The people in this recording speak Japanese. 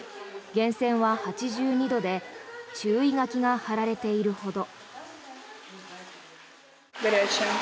源泉は８２度で注意書きが貼られているほど。